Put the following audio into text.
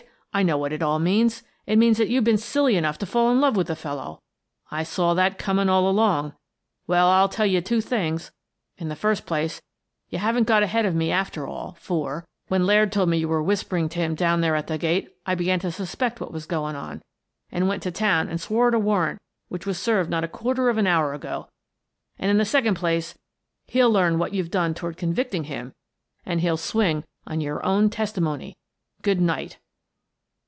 I know what it all means. It means that you've been silly enough to fall in love with the fellow. I saw that coming all along. Well, I'll tell you two things: In the first place, you haven't got ahead of me after all, for, when Laird told me 150 Miss Frances Baird, Detective you were whispering to him down there at the gate, I began to suspect what was going on and went to town and swore out a warrant which was served not a quarter of an hour ago. And in the second place, he'll learn what you've done toward convict ing him, and he'll swing on your own testimony. Good night."